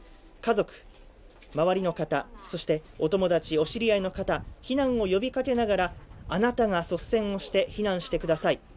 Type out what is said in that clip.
家族、周りの方、そしてお友達お知り合いの方、避難を呼びかけながら、あなたが率先をして避難してください。